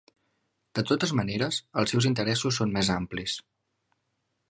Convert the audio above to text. De totes maneres, els seus interessos són més amplis.